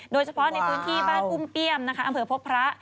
โดยเฉพาะในพื้นที่บ้านอุ้มเปี้ยมนะคะอำเภอพบพระ